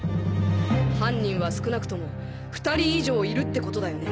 犯人は少なくとも２人以上いるってことだよね？